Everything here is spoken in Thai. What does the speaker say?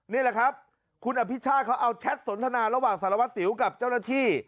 นี่แหละครับคุณอภิชาติเขาเอาแชทสนทนาระหว่างสารวัสสิวกับเจ้าหน้าที่